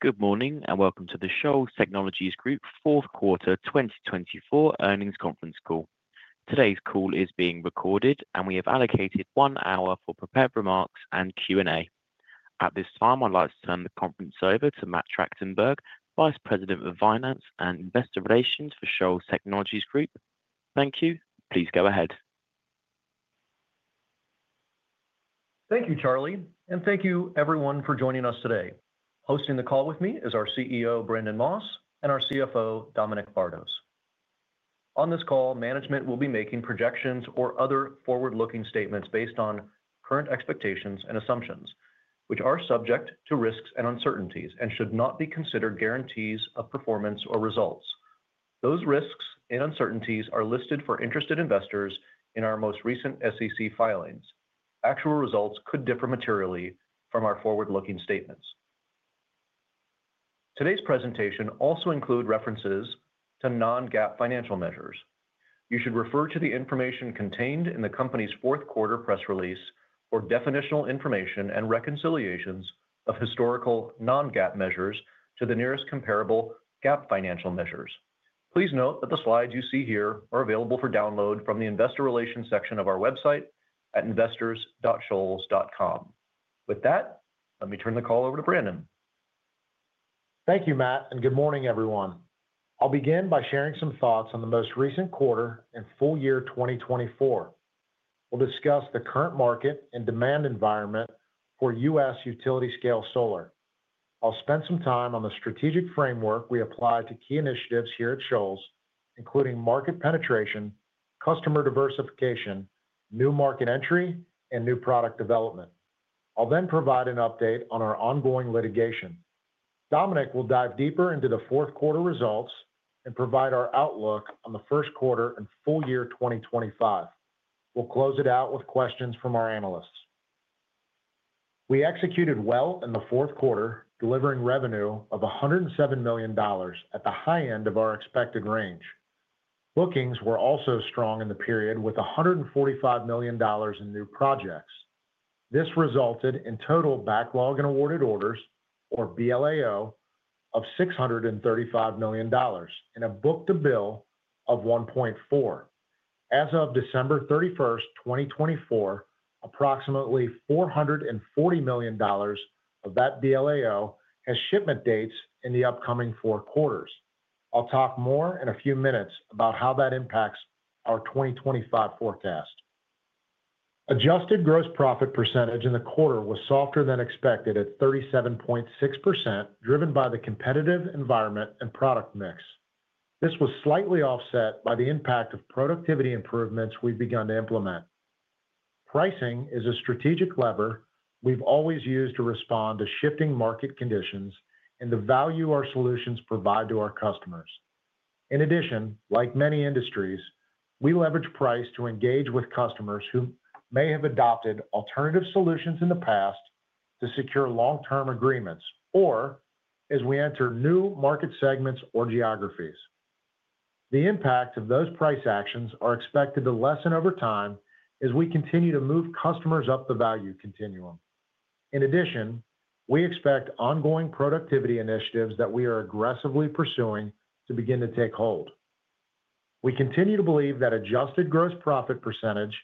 Good morning and welcome to the Shoals Technologies Group Fourth Quarter 2024 Earnings Conference Call. Today's call is being recorded, and we have allocated one hour for prepared remarks and Q&A. At this time, I'd like to turn the conference over to Matt Tractenberg, Vice President of Finance and Investor Relations for Shoals Technologies Group. Thank you. Please go ahead. Thank you, Charlie, and thank you, everyone, for joining us today. Hosting the call with me is our CEO, Brandon Moss, and our CFO, Dominic Bardos. On this call, management will be making projections or other forward-looking statements based on current expectations and assumptions, which are subject to risks and uncertainties and should not be considered guarantees of performance or results. Those risks and uncertainties are listed for interested investors in our most recent SEC filings. Actual results could differ materially from our forward-looking statements. Today's presentation also includes references to non-GAAP financial measures. You should refer to the information contained in the company's Fourth Quarter Press Release for definitional information and reconciliations of historical non-GAAP measures to the nearest comparable GAAP financial measures. Please note that the slides you see here are available for download from the Investor Relations section of our website at investors.shoals.com. With that, let me turn the call over to Brandon. Thank you, Matt, and good morning, everyone. I'll begin by sharing some thoughts on the most recent quarter and full year 2024. We'll discuss the current market and demand environment for U.S. utility-scale solar. I'll spend some time on the strategic framework we apply to key initiatives here at Shoals, including market penetration, customer diversification, new market entry, and new product development. I'll then provide an update on our ongoing litigation. Dominic will dive deeper into the Fourth Quarter results and provide our outlook on the First Quarter and full year 2025. We'll close it out with questions from our analysts. We executed well in the Fourth Quarter, delivering revenue of $107 million at the high end of our expected range. Bookings were also strong in the period, with $145 million in new projects. This resulted in total Backlog and Awarded Orders, or BLAO, of $635 million and a book-to-bill of 1.4x. As of December 31st, 2024, approximately $440 million of that BLAO has shipment dates in the upcoming four quarters. I'll talk more in a few minutes about how that impacts our 2025 forecast. Adjusted Gross Profit percentage in the quarter was softer than expected at 37.6%, driven by the competitive environment and product mix. This was slightly offset by the impact of productivity improvements we've begun to implement. Pricing is a strategic lever we've always used to respond to shifting market conditions and the value our solutions provide to our customers. In addition, like many industries, we leverage price to engage with customers who may have adopted alternative solutions in the past to secure long-term agreements or as we enter new market segments or geographies. The impact of those price actions is expected to lessen over time as we continue to move customers up the value continuum. In addition, we expect ongoing productivity initiatives that we are aggressively pursuing to begin to take hold. We continue to believe that Adjusted Gross Profit percentage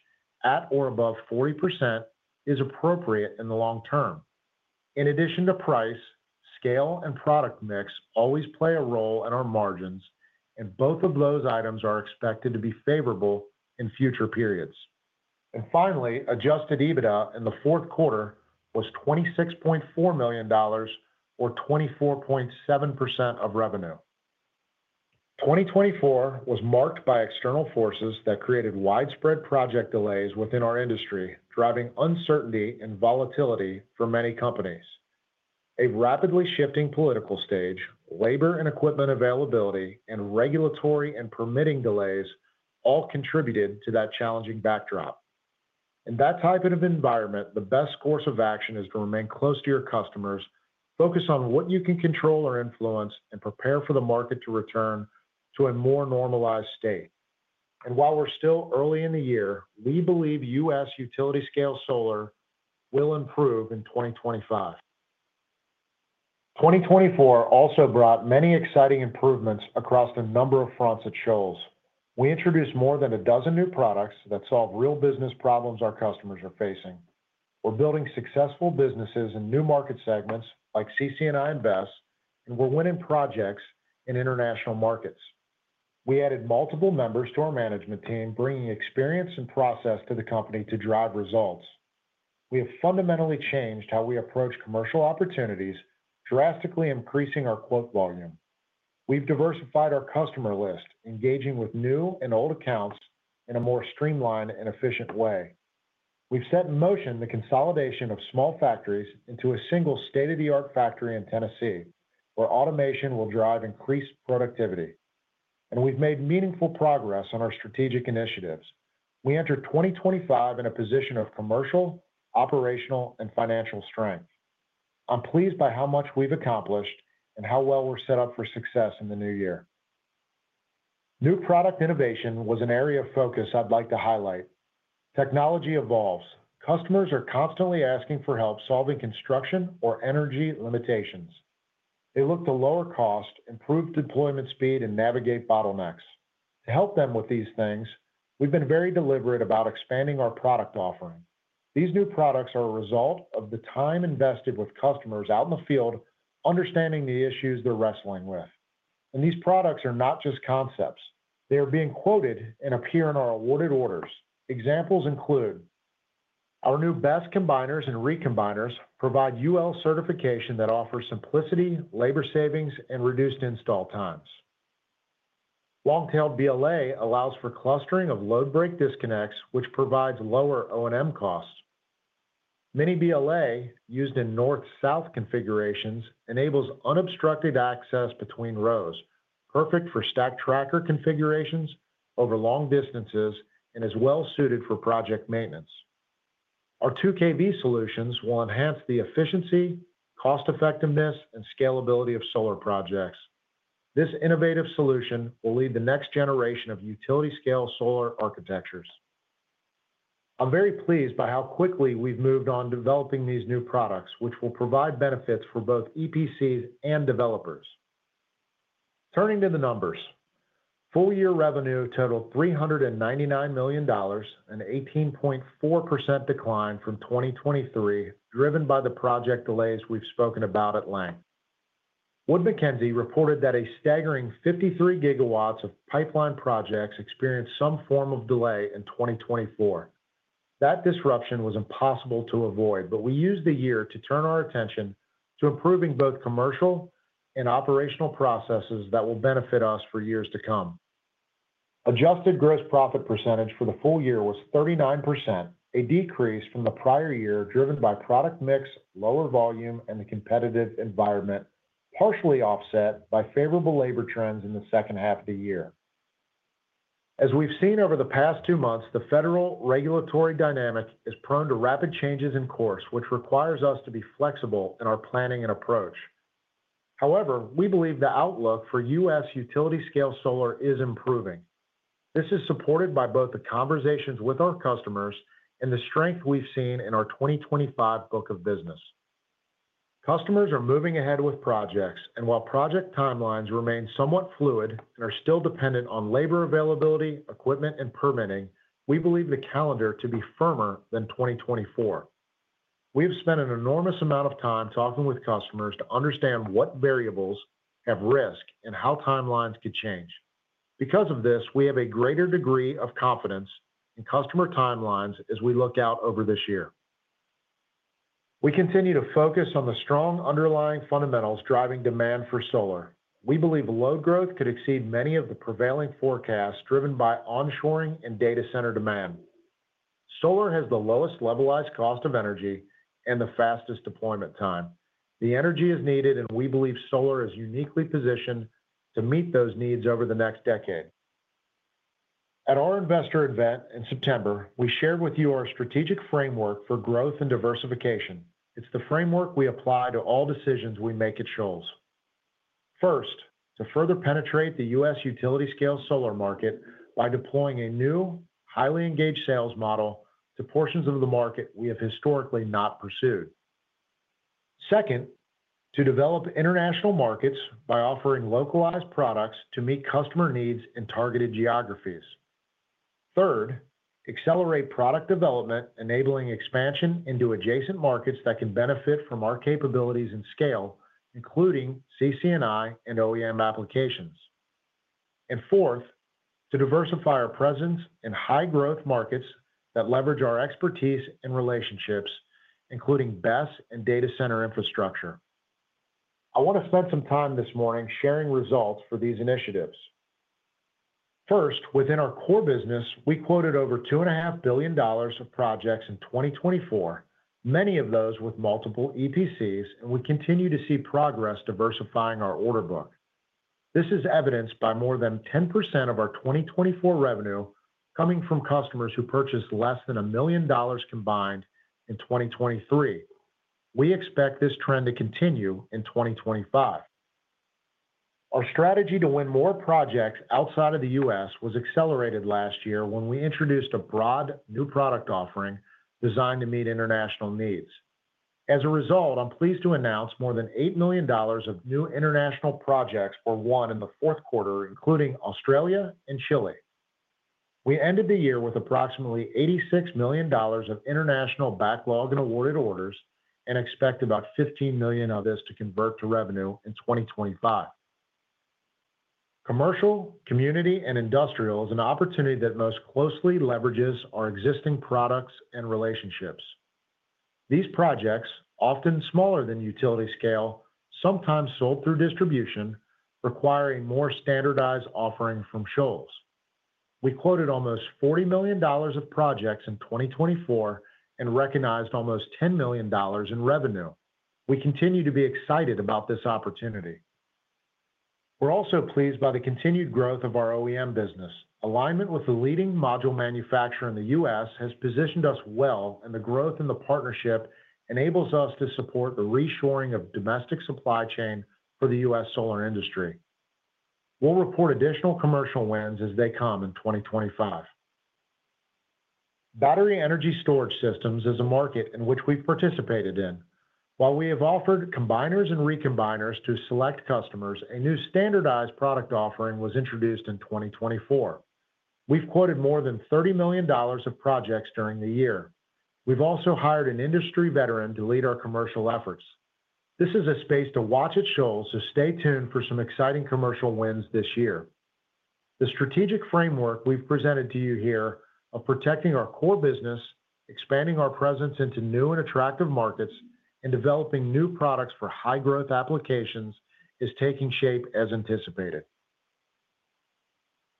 at or above 40% is appropriate in the long term. In addition to price, scale, and product mix always play a role in our margins, and both of those items are expected to be favorable in future periods. And finally, Adjusted EBITDA in the Fourth Quarter was $26.4 million, or 24.7% of revenue. 2024 was marked by external forces that created widespread project delays within our industry, driving uncertainty and volatility for many companies. A rapidly shifting political stage, labor and equipment availability, and regulatory and permitting delays all contributed to that challenging backdrop. In that type of environment, the best course of action is to remain close to your customers, focus on what you can control or influence, and prepare for the market to return to a more normalized state, and while we're still early in the year, we believe U.S. utility-scale solar will improve in 2025. 2024 also brought many exciting improvements across a number of fronts at Shoals. We introduced more than a dozen new products that solve real business problems our customers are facing. We're building successful businesses in new market segments like CC&I and BESS, and we're winning projects in international markets. We added multiple members to our management team, bringing experience and process to the company to drive results. We have fundamentally changed how we approach commercial opportunities, drastically increasing our quote volume. We've diversified our customer list, engaging with new and old accounts in a more streamlined and efficient way. We've set in motion the consolidation of small factories into a single state-of-the-art factory in Tennessee, where automation will drive increased productivity, and we've made meaningful progress on our strategic initiatives. We enter 2025 in a position of commercial, operational, and financial strength. I'm pleased by how much we've accomplished and how well we're set up for success in the new year. New product innovation was an area of focus I'd like to highlight. Technology evolves. Customers are constantly asking for help solving construction or energy limitations. They look to lower cost, improve deployment speed, and navigate bottlenecks. To help them with these things, we've been very deliberate about expanding our product offering. These new products are a result of the time invested with customers out in the field understanding the issues they're wrestling with. And these products are not just concepts. They are being quoted and appear in our awarded orders. Examples include our new BESS combiners and recombiners provide UL certification that offers simplicity, labor savings, and reduced install times. Long-tail BLA allows for clustering of load-break disconnects, which provides lower O&M costs. Mini BLA used in north-south configurations enables unobstructed access between rows, perfect for stack tracker configurations over long distances and is well-suited for project maintenance. Our 2kV solutions will enhance the efficiency, cost-effectiveness, and scalability of solar projects. This innovative solution will lead the next generation of utility-scale solar architectures. I'm very pleased by how quickly we've moved on developing these new products, which will provide benefits for both EPCs and developers. Turning to the numbers, full year revenue totaled $399 million and an 18.4% decline from 2023, driven by the project delays we've spoken about at length. Wood Mackenzie reported that a staggering 53 GW of pipeline projects experienced some form of delay in 2024. That disruption was impossible to avoid, but we used the year to turn our attention to improving both commercial and operational processes that will benefit us for years to come. Adjusted Gross Profit percentage for the full year was 39%, a decrease from the prior year driven by product mix, lower volume, and the competitive environment, partially offset by favorable labor trends in the second half of the year. As we've seen over the past two months, the federal regulatory dynamic is prone to rapid changes in course, which requires us to be flexible in our planning and approach. However, we believe the outlook for U.S. Utility-scale solar is improving. This is supported by both the conversations with our customers and the strength we've seen in our 2025 book of business. Customers are moving ahead with projects, and while project timelines remain somewhat fluid and are still dependent on labor availability, equipment, and permitting, we believe the calendar to be firmer than 2024. We have spent an enormous amount of time talking with customers to understand what variables have risk and how timelines could change. Because of this, we have a greater degree of confidence in customer timelines as we look out over this year. We continue to focus on the strong underlying fundamentals driving demand for solar. We believe load growth could exceed many of the prevailing forecasts driven by onshoring and data center demand. Solar has the lowest levelized cost of energy and the fastest deployment time. The energy is needed, and we believe solar is uniquely positioned to meet those needs over the next decade. At our investor event in September, we shared with you our strategic framework for growth and diversification. It's the framework we apply to all decisions we make at Shoals. First, to further penetrate the U.S. utility-scale solar market by deploying a new, highly engaged sales model to portions of the market we have historically not pursued. Second, to develop international markets by offering localized products to meet customer needs in targeted geographies. Third, accelerate product development, enabling expansion into adjacent markets that can benefit from our capabilities and scale, including CC&I and OEM applications. And fourth, to diversify our presence in high-growth markets that leverage our expertise and relationships, including BESS and data center infrastructure. I want to spend some time this morning sharing results for these initiatives. First, within our core business, we quoted over $2.5 billion of projects in 2024, many of those with multiple EPCs, and we continue to see progress diversifying our order book. This is evidenced by more than 10% of our 2024 revenue coming from customers who purchased less than $1 million combined in 2023. We expect this trend to continue in 2025. Our strategy to win more projects outside of the U.S. was accelerated last year when we introduced a broad new product offering designed to meet international needs. As a result, I'm pleased to announce more than $8 million of new international projects won in the fourth quarter, including Australia and Chile. We ended the year with approximately $86 million of international backlog and awarded orders and expect about $15 million of this to convert to revenue in 2025. Commercial, Community, and Industrial is an opportunity that most closely leverages our existing products and relationships. These projects, often smaller than utility-scale, sometimes sold through distribution, require a more standardized offering from Shoals. We quoted almost $40 million of projects in 2024 and recognized almost $10 million in revenue. We continue to be excited about this opportunity. We're also pleased by the continued growth of our OEM business. Alignment with the leading module manufacturer in the U.S. has positioned us well, and the growth in the partnership enables us to support the reshoring of domestic supply chain for the U.S. solar industry. We'll report additional commercial wins as they come in 2025. Battery energy storage systems is a market in which we've participated in. While we have offered combiners and recombiners to select customers, a new standardized product offering was introduced in 2024. We've quoted more than $30 million of projects during the year. We've also hired an industry veteran to lead our commercial efforts. This is a space to watch at Shoals, so stay tuned for some exciting commercial wins this year. The strategic framework we've presented to you here of protecting our core business, expanding our presence into new and attractive markets, and developing new products for high-growth applications is taking shape as anticipated.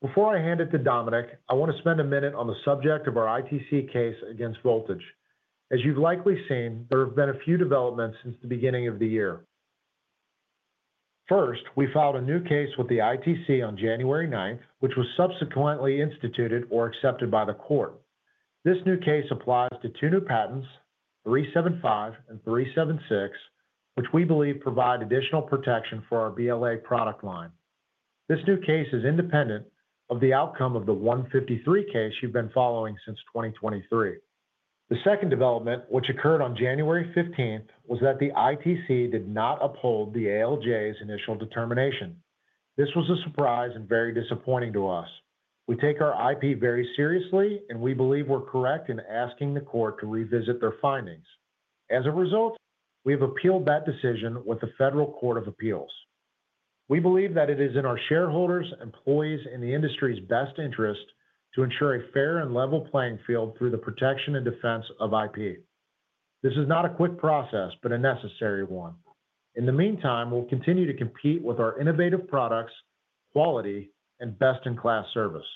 Before I hand it to Dominic, I want to spend a minute on the subject of our ITC case against Voltage. As you've likely seen, there have been a few developments since the beginning of the year. First, we filed a new case with the ITC on January 9th, which was subsequently instituted or accepted by the court. This new case applies to two new patents, 375 and 376, which we believe provide additional protection for our BLA product line. This new case is independent of the outcome of the 153 case you've been following since 2023. The second development, which occurred on January 15th, was that the ITC did not uphold the ALJ's initial determination. This was a surprise and very disappointing to us. We take our IP very seriously, and we believe we're correct in asking the court to revisit their findings. As a result, we have appealed that decision with the Federal Court of Appeals. We believe that it is in our shareholders, employees, and the industry's best interest to ensure a fair and level playing field through the protection and defense of IP. This is not a quick process, but a necessary one. In the meantime, we'll continue to compete with our innovative products, quality, and best-in-class service.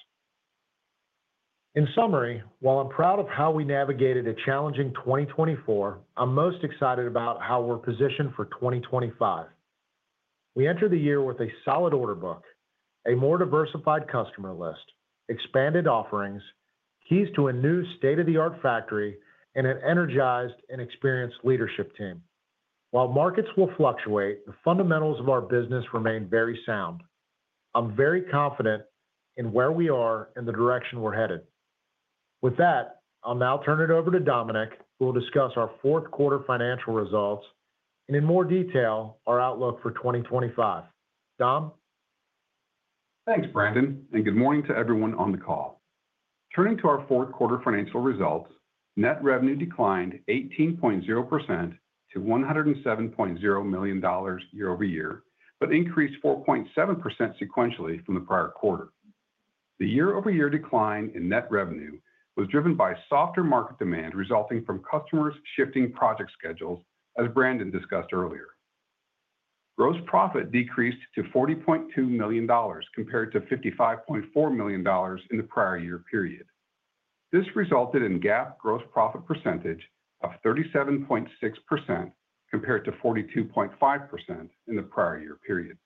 In summary, while I'm proud of how we navigated a challenging 2024, I'm most excited about how we're positioned for 2025. We entered the year with a solid order book, a more diversified customer list, expanded offerings, keys to a new state-of-the-art factory, and an energized and experienced leadership team. While markets will fluctuate, the fundamentals of our business remain very sound. I'm very confident in where we are and the direction we're headed. With that, I'll now turn it over to Dominic, who will discuss our Fourth Quarter financial results and, in more detail, our outlook for 2025. Dom? Thanks, Brandon, and good morning to everyone on the call. Turning to our Fourth Quarter financial results, net revenue declined 18.0% to $107.0 million year-over-year, but increased 4.7% sequentially from the prior quarter. The year-over-year decline in net revenue was driven by softer market demand resulting from customers shifting project schedules, as Brandon discussed earlier. Gross profit decreased to $40.2 million compared to $55.4 million in the prior year period. This resulted in GAAP Gross Profit percentage of 37.6% compared to 42.5% in the prior year period.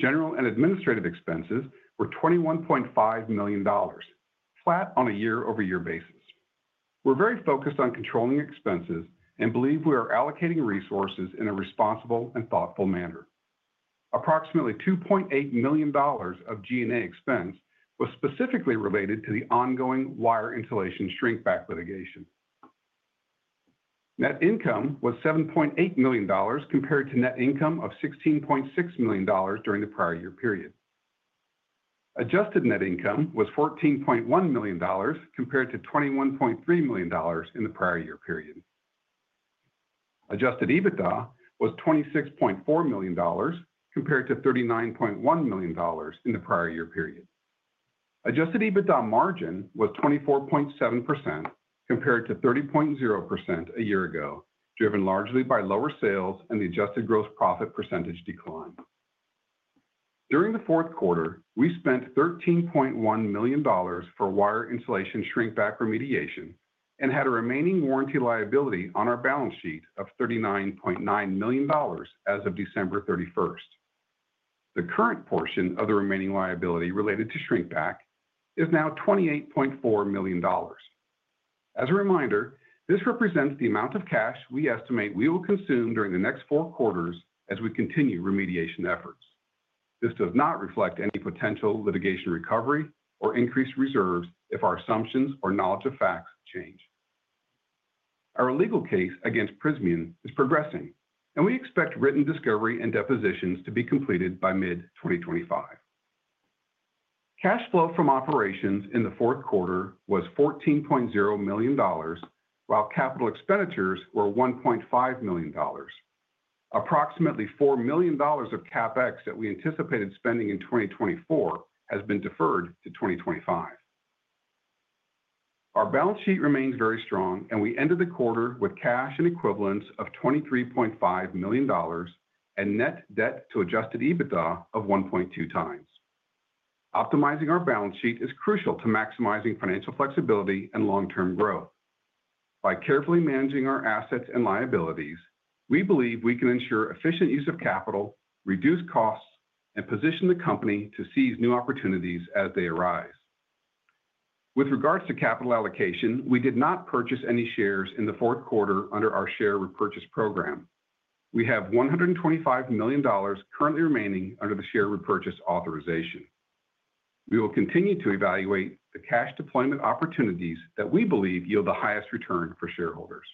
General and administrative expenses were $21.5 million, flat on a year-over-year basis. We're very focused on controlling expenses and believe we are allocating resources in a responsible and thoughtful manner. Approximately $2.8 million of G&A expense was specifically related to the ongoing wire insulation shrinkback litigation. Net Income was $7.8 million compared to Net Income of $16.6 million during the prior year period. Adjusted Net Income was $14.1 million compared to $21.3 million in the prior year period. Adjusted EBITDA was $26.4 million compared to $39.1 million in the prior year period. Adjusted EBITDA margin was 24.7% compared to 30.0% a year ago, driven largely by lower sales and the Adjusted Gross Profit percentage decline. During the Fourth Quarter, we spent $13.1 million for wire insulation shrinkback remediation and had a remaining warranty liability on our balance sheet of $39.9 million as of December 31st. The current portion of the remaining liability related to shrinkback is now $28.4 million. As a reminder, this represents the amount of cash we estimate we will consume during the next four quarters as we continue remediation efforts. This does not reflect any potential litigation recovery or increased reserves if our assumptions or knowledge of facts change. Our legal case against Prysmian is progressing, and we expect written discovery and depositions to be completed by mid-2025. Cash flow from operations in the Fourth Quarter was $14.0 million, while capital expenditures were $1.5 million. Approximately $4 million of CapEx that we anticipated spending in 2024 has been deferred to 2025. Our balance sheet remains very strong, and we ended the quarter with cash and equivalents of $23.5 million and net debt to Adjusted EBITDA of 1.2x. Optimizing our balance sheet is crucial to maximizing financial flexibility and long-term growth. By carefully managing our assets and liabilities, we believe we can ensure efficient use of capital, reduce costs, and position the company to seize new opportunities as they arise. With regards to capital allocation, we did not purchase any shares in the Fourth Quarter under our share repurchase program. We have $125 million currently remaining under the share repurchase authorization. We will continue to evaluate the cash deployment opportunities that we believe yield the highest return for shareholders.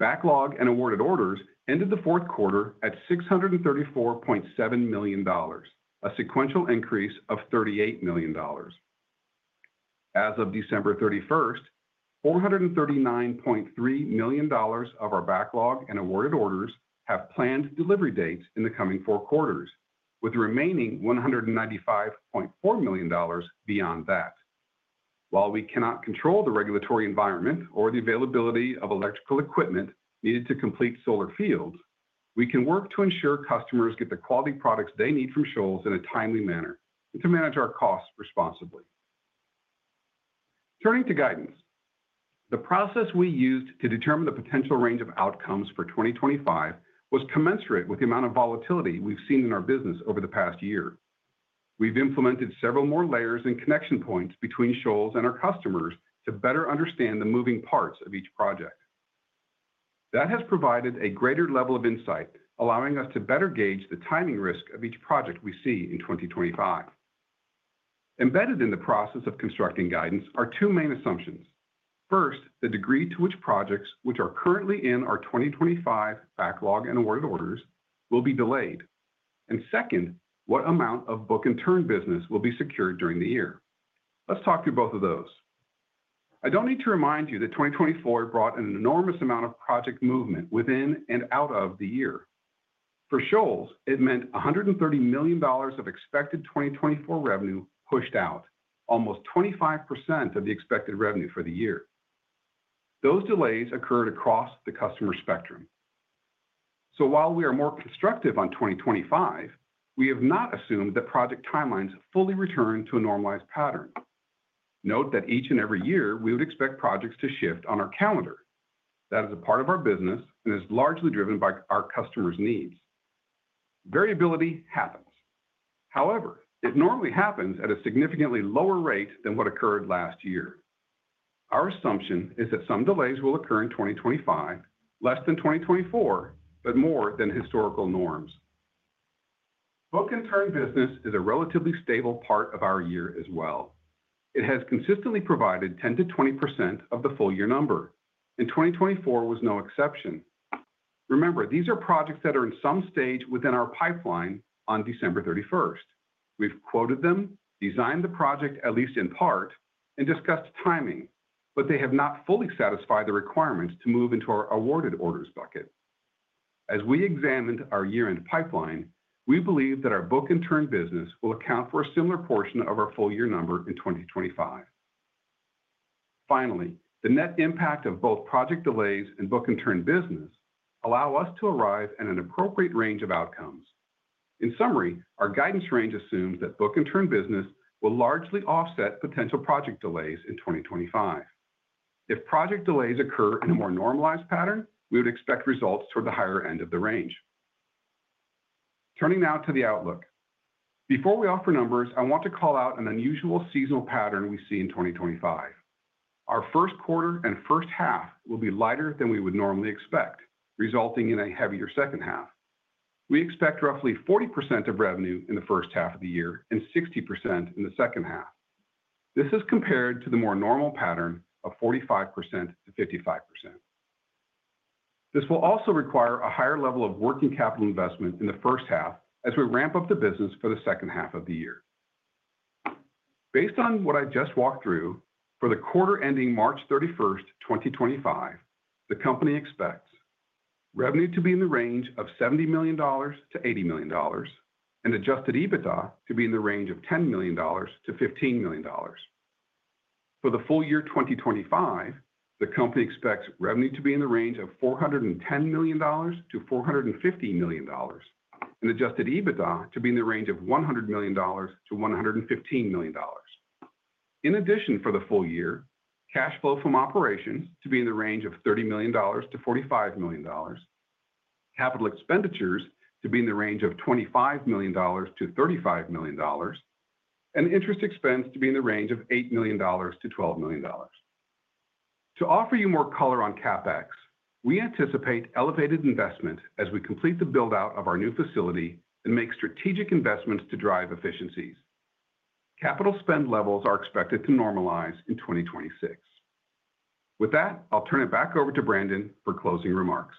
Backlog and awarded orders ended the Fourth Quarter at $634.7 million, a sequential increase of $38 million. As of December 31st, $439.3 million of our backlog and awarded orders have planned delivery dates in the coming four quarters, with the remaining $195.4 million beyond that. While we cannot control the regulatory environment or the availability of electrical equipment needed to complete solar fields, we can work to ensure customers get the quality products they need from Shoals in a timely manner and to manage our costs responsibly. Turning to guidance, the process we used to determine the potential range of outcomes for 2025 was commensurate with the amount of volatility we've seen in our business over the past year. We've implemented several more layers and connection points between Shoals and our customers to better understand the moving parts of each project. That has provided a greater level of insight, allowing us to better gauge the timing risk of each project we see in 2025. Embedded in the process of constructing guidance are two main assumptions. First, the degree to which projects which are currently in our 2025 backlog and awarded orders will be delayed, and second, what amount of book-and-turn business will be secured during the year. Let's talk through both of those. I don't need to remind you that 2024 brought an enormous amount of project movement within and out of the year. For Shoals, it meant $130 million of expected 2024 revenue pushed out, almost 25% of the expected revenue for the year. Those delays occurred across the customer spectrum, so while we are more constructive on 2025, we have not assumed that project timelines fully return to a normalized pattern. Note that each and every year, we would expect projects to shift on our calendar. That is a part of our business and is largely driven by our customers' needs. Variability happens. However, it normally happens at a significantly lower rate than what occurred last year. Our assumption is that some delays will occur in 2025, less than 2024, but more than historical norms. Book-and-turn business is a relatively stable part of our year as well. It has consistently provided 10%-20% of the full year number, and 2024 was no exception. Remember, these are projects that are in some stage within our pipeline on December 31st. We've quoted them, designed the project at least in part, and discussed timing, but they have not fully satisfied the requirements to move into our awarded orders bucket. As we examined our year-end pipeline, we believe that our book-and-turn business will account for a similar portion of our full year number in 2025. Finally, the net impact of both project delays and book-and-turn business allows us to arrive at an appropriate range of outcomes. In summary, our guidance range assumes that book-and-turn business will largely offset potential project delays in 2025. If project delays occur in a more normalized pattern, we would expect results toward the higher end of the range. Turning now to the outlook. Before we offer numbers, I want to call out an unusual seasonal pattern we see in 2025. Our first quarter and first half will be lighter than we would normally expect, resulting in a heavier second half. We expect roughly 40% of revenue in the first half of the year and 60% in the second half. This is compared to the more normal pattern of 45%-55%. This will also require a higher level of working capital investment in the first half as we ramp up the business for the second half of the year. Based on what I just walked through, for the quarter ending March 31st, 2025, the company expects revenue to be in the range of $70 million-$80 million and Adjusted EBITDA to be in the range of $10-$15 million. For the full year 2025, the company expects revenue to be in the range of $410 million-$450 million and Adjusted EBITDA to be in the range of $100 million-$115 million. In addition, for the full year, cash flow from operations to be in the range of $30 million-$45 million, capital expenditures to be in the range of $25 million-$35 million, and interest expense to be in the range of $8 million-$12 million. To offer you more color on CapEx, we anticipate elevated investment as we complete the build-out of our new facility and make strategic investments to drive efficiencies. Capital spend levels are expected to normalize in 2026. With that, I'll turn it back over to Brandon for closing remarks.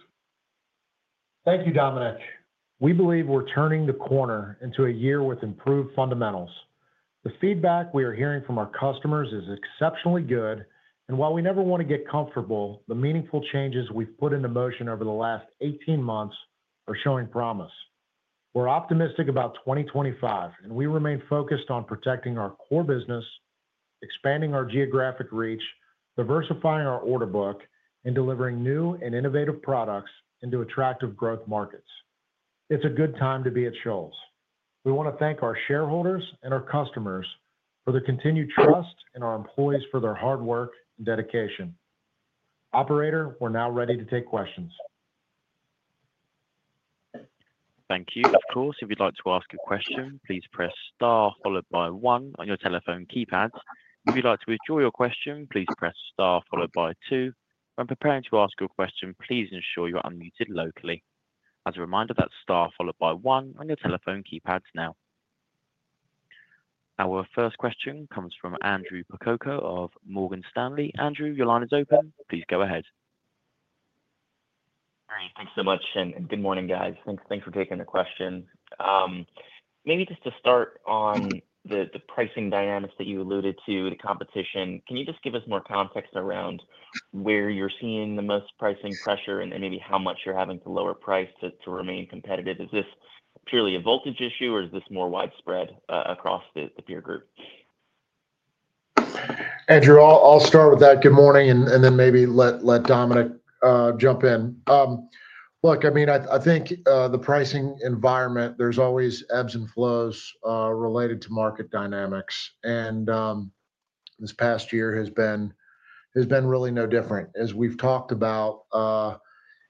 Thank you, Dominic. We believe we're turning the corner into a year with improved fundamentals. The feedback we are hearing from our customers is exceptionally good, and while we never want to get comfortable, the meaningful changes we've put into motion over the last 18 months are showing promise. We're optimistic about 2025, and we remain focused on protecting our core business, expanding our geographic reach, diversifying our order book, and delivering new and innovative products into attractive growth markets. It's a good time to be at Shoals. We want to thank our shareholders and our customers for the continued trust in our employees for their hard work and dedication. Operator, we're now ready to take questions. Thank you. Of course, if you'd like to ask a question, please press star followed by one on your telephone keypads. If you'd like to withdraw your question, please press star followed by two. When preparing to ask your question, please ensure you're unmuted locally. As a reminder, that's Star followed by one on your telephone keypads now. Our first question comes from Andrew Percoco of Morgan Stanley. Andrew, your line is open. Please go ahead. Great. Thanks so much, and good morning, guys. Thanks for taking the question. Maybe just to start on the pricing dynamics that you alluded to, the competition, can you just give us more context around where you're seeing the most pricing pressure and maybe how much you're having to lower price to remain competitive? Is this purely a Voltage issue, or is this more widespread across the peer group? Andrew, I'll start with that. Good morning, and then maybe let Dominic jump in. Look, I mean, I think the pricing environment, there's always ebbs and flows related to market dynamics, and this past year has been really no different. As we've talked about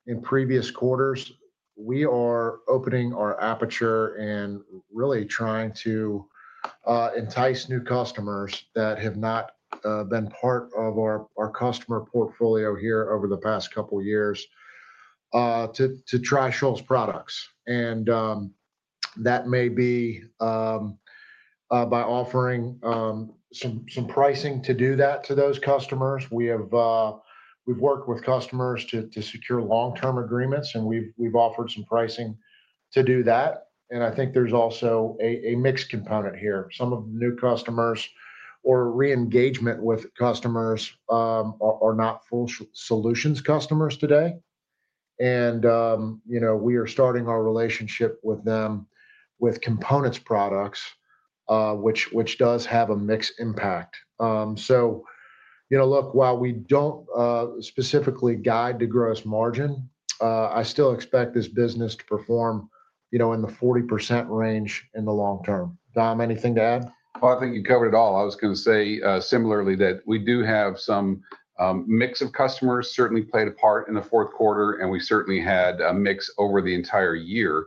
in previous quarters, we are opening our aperture and really trying to entice new customers that have not been part of our customer portfolio here over the past couple of years to try Shoals products. That may be by offering some pricing to do that to those customers. We've worked with customers to secure long-term agreements, and we've offered some pricing to do that. I think there's also a mixed component here. Some of the new customers or re-engagement with customers are not full solutions customers today. We are starting our relationship with them with Components products, which does have a mixed impact. Look, while we don't specifically guide to gross margin, I still expect this business to perform in the 40% range in the long term. Dom, anything to add? Well, I think you covered it all. I was going to say similarly that we do have some mix of customers certainly played a part in the fourth quarter, and we certainly had a mix over the entire year.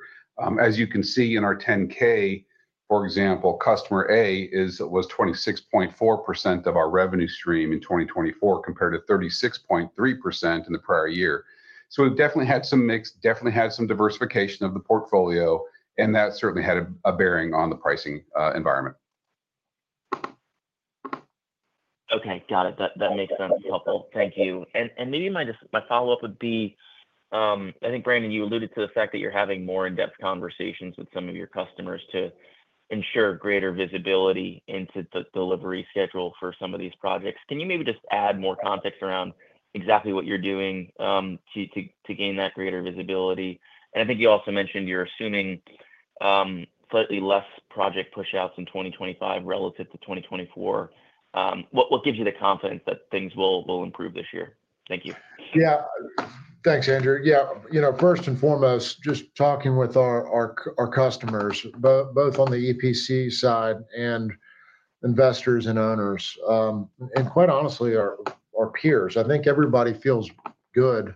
As you can see in our 10-K, for example, customer A was 26.4% of our revenue stream in 2024 compared to 36.3% in the prior year. So we've definitely had some mix, definitely had some diversification of the portfolio, and that certainly had a bearing on the pricing environment. Okay. Got it. That makes sense. Helpful. Thank you. And maybe my follow-up would be, I think, Brandon, you alluded to the fact that you're having more in-depth conversations with some of your customers to ensure greater visibility into the delivery schedule for some of these projects. Can you maybe just add more context around exactly what you're doing to gain that greater visibility? And I think you also mentioned you're assuming slightly less project push-outs in 2025 relative to 2024. What gives you the confidence that things will improve this year? Thank you. Yeah. Thanks, Andrew. Yeah. First and foremost, just talking with our customers, both on the EPC side and investors and owners, and quite honestly, our peers. I think everybody feels good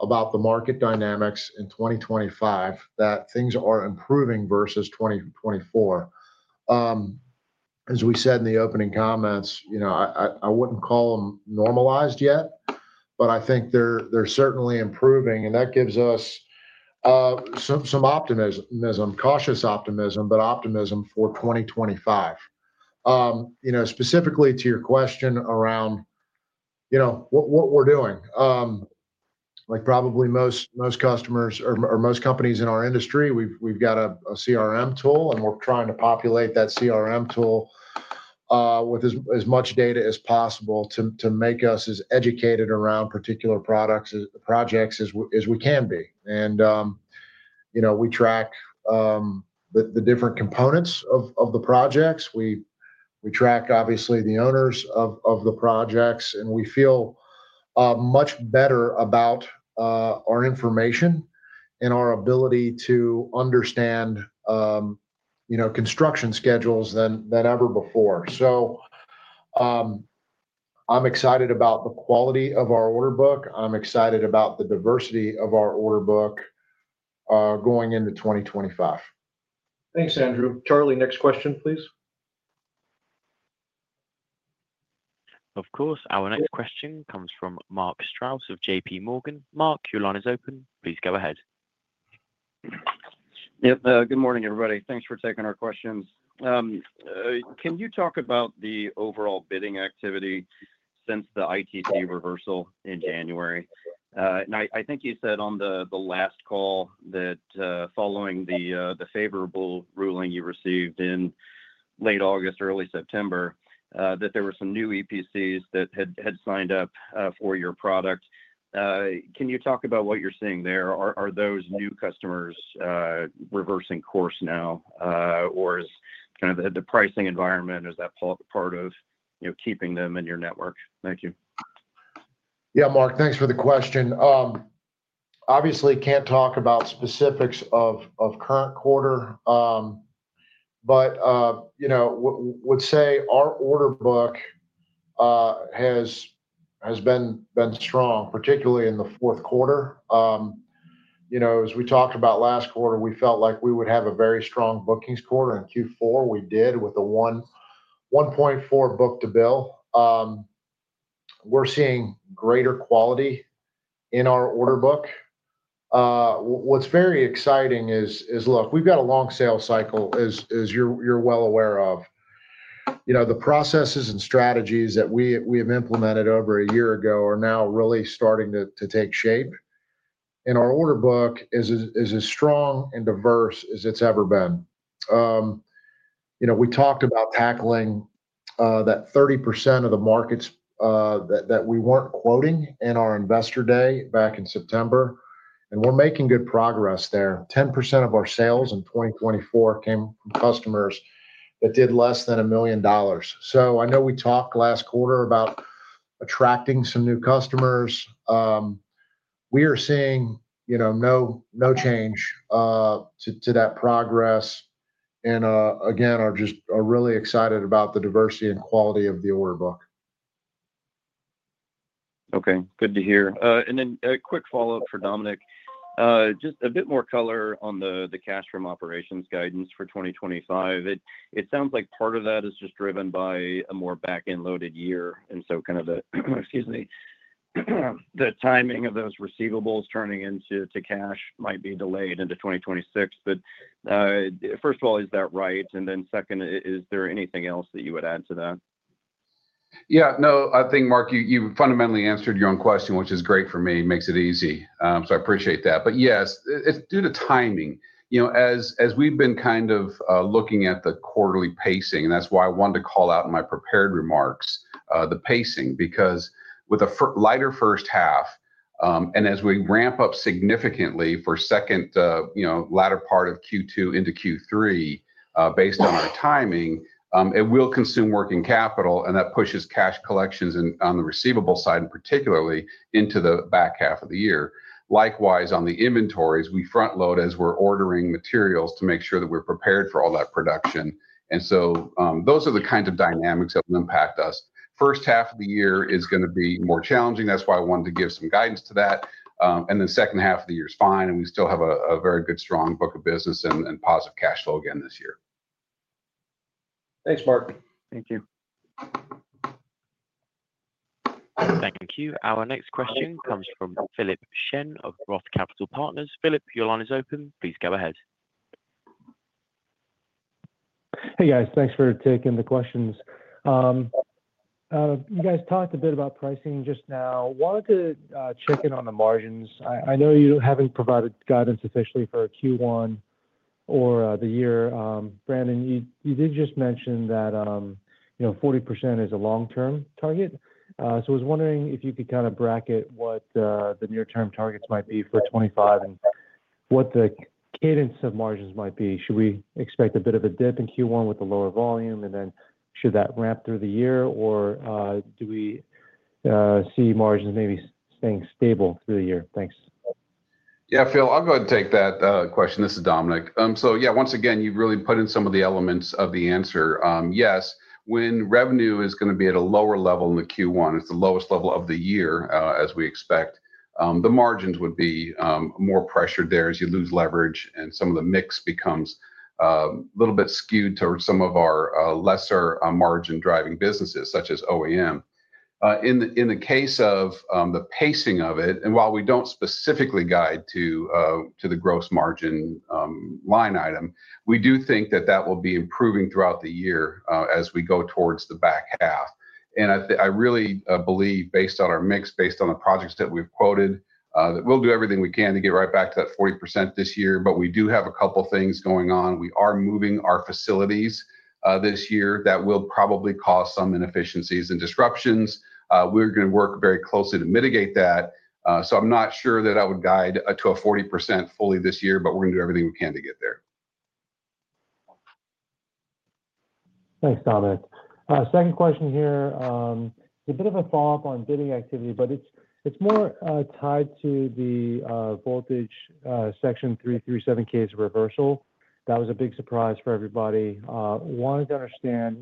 about the market dynamics in 2025, that things are improving versus 2024. As we said in the opening comments, I wouldn't call them normalized yet, but I think they're certainly improving, and that gives us some optimism, cautious optimism, but optimism for 2025. Specifically to your question around what we're doing, like probably most customers or most companies in our industry, we've got a CRM tool, and we're trying to populate that CRM tool with as much data as possible to make us as educated around particular projects as we can be, and we track the different components of the projects. We track, obviously, the owners of the projects, and we feel much better about our information and our ability to understand construction schedules than ever before. So I'm excited about the quality of our order book. I'm excited about the diversity of our order book going into 2025. Thanks, Andrew. Charlie, next question, please. Of course. Our next question comes from Mark Strouse of JPMorgan. Mark, your line is open. Please go ahead. Yep. Good morning, everybody. Thanks for taking our questions. Can you talk about the overall bidding activity since the ITC reversal in January? And I think you said on the last call that following the favorable ruling you received in late August, early September, that there were some new EPCs that had signed up for your product. Can you talk about what you're seeing there? Are those new customers reversing course now, or is kind of the pricing environment, is that part of keeping them in your network? Thank you. Yeah, Mark, thanks for the question. Obviously, can't talk about specifics of current quarter, but would say our order book has been strong, particularly in the fourth quarter. As we talked about last quarter, we felt like we would have a very strong bookings quarter. In Q4, we did with a 1.4 book-to-bill. We're seeing greater quality in our order book. What's very exciting is, look, we've got a long sales cycle, as you're well aware of. The processes and strategies that we have implemented over a year ago are now really starting to take shape, and our order book is as strong and diverse as it's ever been. We talked about tackling that 30% of the markets that we weren't quoting in our Investor Day back in September, and we're making good progress there. 10% of our sales in 2024 came from customers that did less than a million dollars. So I know we talked last quarter about attracting some new customers. We are seeing no change to that progress, and again, are just really excited about the diversity and quality of the order book. Okay. Good to hear. And then a quick follow-up for Dominic. Just a bit more color on the cash from operations guidance for 2025. It sounds like part of that is just driven by a more back-end loaded year. And so kind of the, excuse me, the timing of those receivables turning into cash might be delayed into 2026. But first of all, is that right? And then second, is there anything else that you would add to that? Yeah. No, I think, Mark, you fundamentally answered your own question, which is great for me. It makes it easy. So I appreciate that. But yes, it's due to timing. As we've been kind of looking at the quarterly pacing, and that's why I wanted to call out in my prepared remarks the pacing, because with a lighter first half, and as we ramp up significantly for second latter part of Q2 into Q3, based on our timing, it will consume working capital, and that pushes cash collections on the receivable side, particularly into the back half of the year. Likewise, on the inventories, we front-load as we're ordering materials to make sure that we're prepared for all that production. And so those are the kinds of dynamics that will impact us. First half of the year is going to be more challenging. That's why I wanted to give some guidance to that, and then second half of the year is fine, and we still have a very good, strong book of business and positive cash flow again this year. Thanks, Mark. Thank you. Thank you. Our next question comes from Philip Shen of Roth Capital Partners. Philip, your line is open. Please go ahead. Hey, guys. Thanks for taking the questions. You guys talked a bit about pricing just now. I wanted to check in on the margins. I know you haven't provided guidance officially for Q1 or the year. Brandon, you did just mention that 40% is a long-term target. So I was wondering if you could kind of bracket what the near-term targets might be for 2025 and what the cadence of margins might be. Should we expect a bit of a dip in Q1 with the lower volume, and then should that ramp through the year, or do we see margins maybe staying stable through the year? Thanks. Yeah, Phil, I'll go ahead and take that question. This is Dominic. So yeah, once again, you've really put in some of the elements of the answer. Yes, when revenue is going to be at a lower level in the Q1, it's the lowest level of the year, as we expect, the margins would be more pressured there as you lose leverage, and some of the mix becomes a little bit skewed towards some of our lesser margin-driving businesses, such as OEM. In the case of the pacing of it, and while we don't specifically guide to the gross margin line item, we do think that that will be improving throughout the year as we go towards the back half, and I really believe, based on our mix, based on the projects that we've quoted, that we'll do everything we can to get right back to that 40% this year, but we do have a couple of things going on. We are moving our facilities this year. That will probably cause some inefficiencies and disruptions. We're going to work very closely to mitigate that. So I'm not sure that I would guide to a 40% fully this year, but we're going to do everything we can to get there. Thanks, Dominic. Second question here. It's a bit of a follow-up on bidding activity, but it's more tied to the Voltage Section 337 case reversal. That was a big surprise for everybody. Wanted to understand,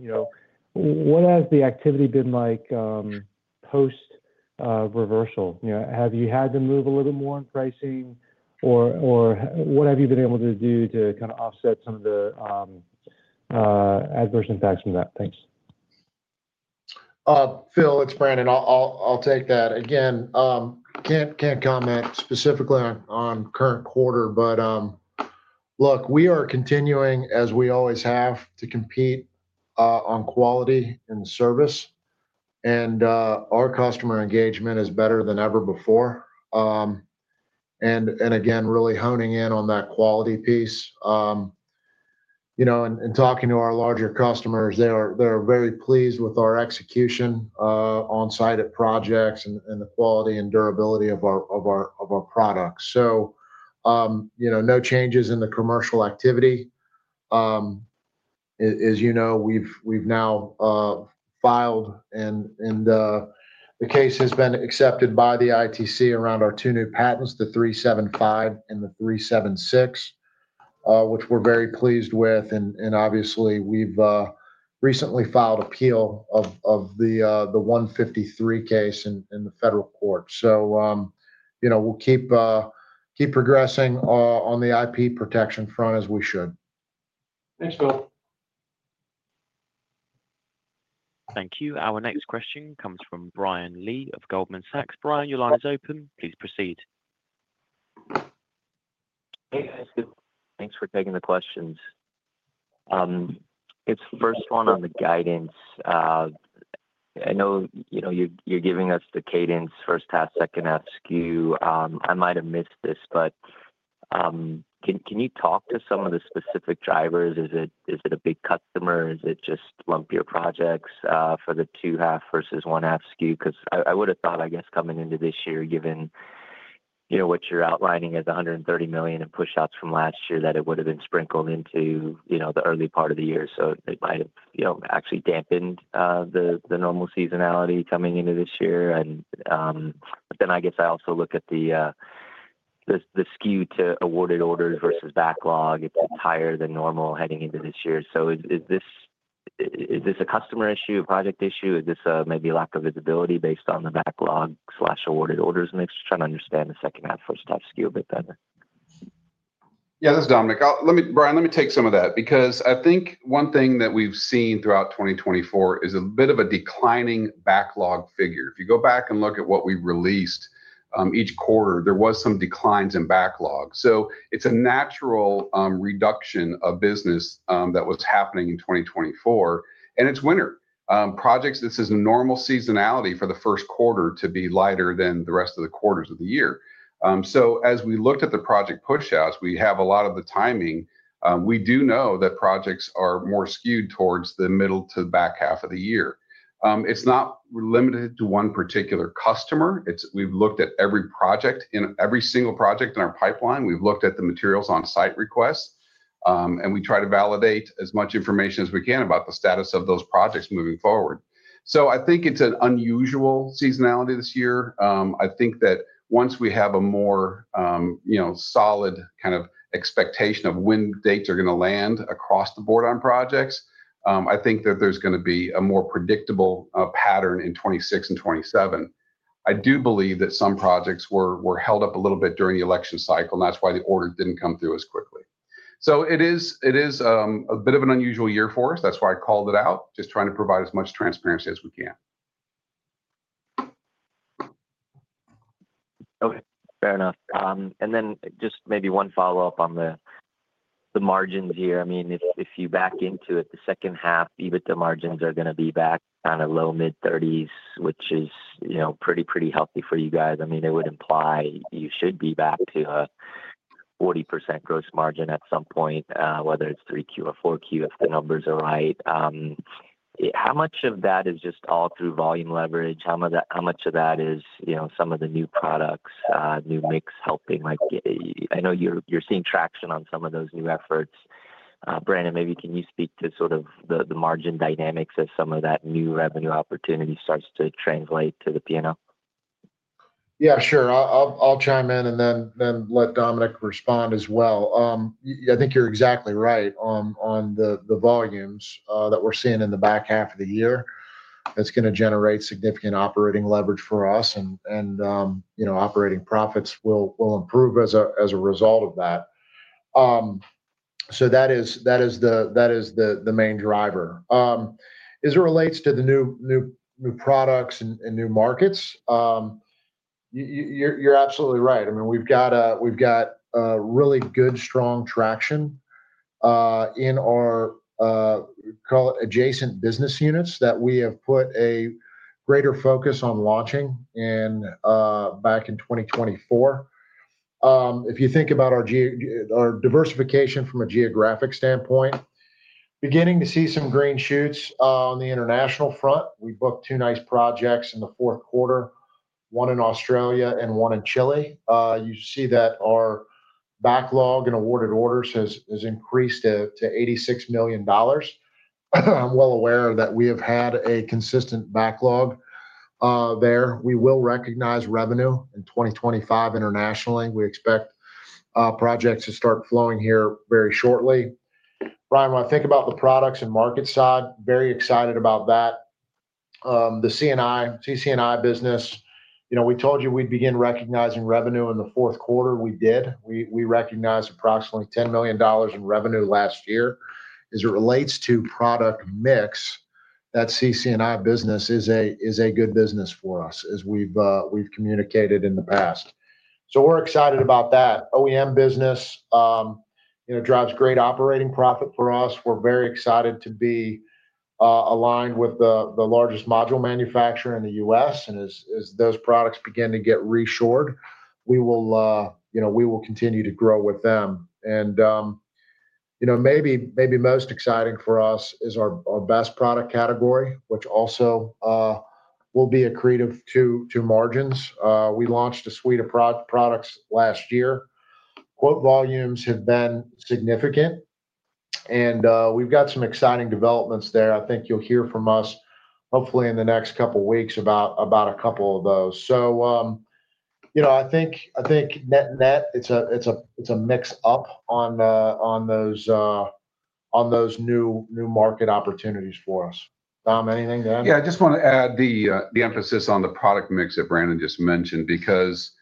what has the activity been like post-reversal? Have you had to move a little bit more in pricing, or what have you been able to do to kind of offset some of the adverse impacts from that? Thanks. Phil, it's Brandon. I'll take that. Again, can't comment specifically on current quarter, but look, we are continuing, as we always have, to compete on quality and service, and our customer engagement is better than ever before, and again, really honing in on that quality piece, and talking to our larger customers, they are very pleased with our execution on-site at projects and the quality and durability of our products. So no changes in the commercial activity. As you know, we've now filed, and the case has been accepted by the ITC around our two new patents, the 375 and the 376, which we're very pleased with, and obviously, we've recently filed appeal of the 153 case in the federal court, so we'll keep progressing on the IP protection front as we should. Thanks, Phil. Thank you. Our next question comes from Brian Lee of Goldman Sachs. Brian, your line is open. Please proceed. Hey, guys. Thanks for taking the questions. It's the first one on the guidance. I know you're giving us the cadence, first half, second half skew. I might have missed this, but can you talk to some of the specific drivers? Is it a big customer? Is it just lumpier projects for the second half versus first half skew? Because I would have thought, I guess, coming into this year, given what you're outlining as $130 million in push-outs from last year, that it would have been sprinkled into the early part of the year. So it might have actually dampened the normal seasonality coming into this year. But then I guess I also look at the skew to awarded orders versus backlog. It's higher than normal heading into this year. So is this a customer issue, a project issue? Is this maybe lack of visibility based on the backlog/awarded orders mix? Trying to understand the second half, first half skew a bit better. Yeah, this is Dominic. Brian, let me take some of that because I think one thing that we've seen throughout 2024 is a bit of a declining backlog figure. If you go back and look at what we released each quarter, there were some declines in backlog. So it's a natural reduction of business that was happening in 2024, and it's winter. Projects, this is a normal seasonality for the first quarter to be lighter than the rest of the quarters of the year. So as we looked at the project push-outs, we have a lot of the timing. We do know that projects are more skewed towards the middle to the back half of the year. It's not limited to one particular customer. We've looked at every project. In every single project in our pipeline, we've looked at the materials on-site requests, and we try to validate as much information as we can about the status of those projects moving forward. So I think it's an unusual seasonality this year. I think that once we have a more solid kind of expectation of when dates are going to land across the board on projects, I think that there's going to be a more predictable pattern in 2026 and 2027. I do believe that some projects were held up a little bit during the election cycle, and that's why the orders didn't come through as quickly. So it is a bit of an unusual year for us. That's why I called it out, just trying to provide as much transparency as we can. Okay. Fair enough. And then just maybe one follow-up on the margins here. I mean, if you back into it, the second half, EBITDA margins are going to be back on the low mid-30s, which is pretty, pretty healthy for you guys. I mean, it would imply you should be back to a 40% gross margin at some point, whether it's 3Q or 4Q, if the numbers are right. How much of that is just all through volume leverage? How much of that is some of the new products, new mix helping? I know you're seeing traction on some of those new efforts. Brandon, maybe can you speak to sort of the margin dynamics as some of that new revenue opportunity starts to translate to the P&L? Yeah, sure. I'll chime in and then let Dominic respond as well. I think you're exactly right on the volumes that we're seeing in the back half of the year. That's going to generate significant operating leverage for us, and operating profits will improve as a result of that. So that is the main driver. As it relates to the new products and new markets, you're absolutely right. I mean, we've got really good, strong traction in our, call it, adjacent business units that we have put a greater focus on launching back in 2024. If you think about our diversification from a geographic standpoint, beginning to see some green shoots on the international front. We booked two nice projects in the fourth quarter, one in Australia and one in Chile. You see that our backlog and awarded orders has increased to $86 million. I'm well aware that we have had a consistent backlog there. We will recognize revenue in 2025 internationally. We expect projects to start flowing here very shortly. Brian, when I think about the products and market side, very excited about that. The CC&I business, we told you we'd begin recognizing revenue in the fourth quarter. We did. We recognized approximately $10 million in revenue last year. As it relates to product mix, that CC&I business is a good business for us, as we've communicated in the past. So we're excited about that. OEM business drives great operating profit for us. We're very excited to be aligned with the largest module manufacturer in the U.S. And as those products begin to get reshored, we will continue to grow with them. And maybe most exciting for us is our best product category, which also will be accretive to margins. We launched a suite of products last year. Quote volumes have been significant, and we've got some exciting developments there. I think you'll hear from us, hopefully, in the next couple of weeks about a couple of those. So I think net-net, it's a mix-up on those new market opportunities for us. Dom, anything to add? Yeah, I just want to add the emphasis on the product mix that Brandon just mentioned because,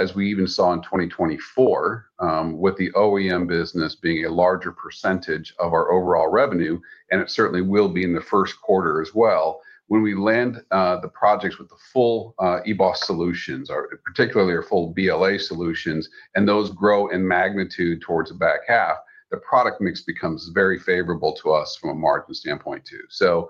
as we even saw in 2024, with the OEM business being a larger percentage of our overall revenue, and it certainly will be in the first quarter as well, when we land the projects with the full EBOS solutions, particularly our full BLA solutions, and those grow in magnitude towards the back half, the product mix becomes very favorable to us from a margin standpoint too. So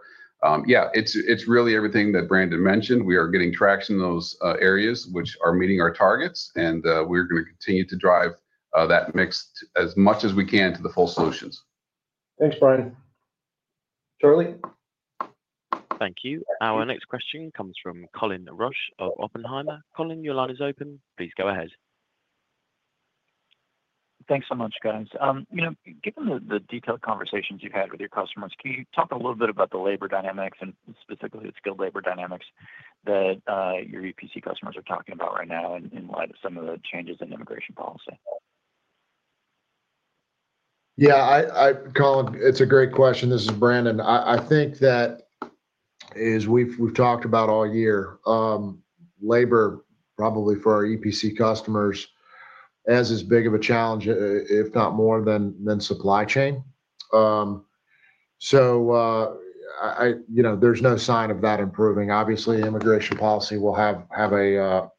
yeah, it's really everything that Brandon mentioned. We are getting traction in those areas which are meeting our targets, and we're going to continue to drive that mix as much as we can to the full solutions. Thanks, Brian. Charlie? Thank you. Our next question comes from Colin Rusch of Oppenheimer. Colin, your line is open. Please go ahead. Thanks so much, guys. Given the detailed conversations you've had with your customers, can you talk a little bit about the labor dynamics and specifically the skilled labor dynamics that your EPC customers are talking about right now in light of some of the changes in immigration policy? Yeah, Colin, it's a great question. This is Brandon. I think that, as we've talked about all year, labor, probably for our EPC customers, is as big of a challenge, if not more, than supply chain. So there's no sign of that improving. Obviously, immigration policy will have an